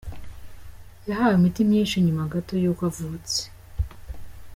Yahawe imiti myinshi nyuma gato yuko avutse.